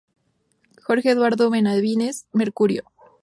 Jorge Eduardo Benavides, Mercurio.